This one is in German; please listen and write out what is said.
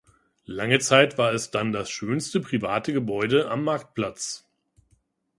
Lange Zeit war es dann das schönste private Gebäude am Marktplatz.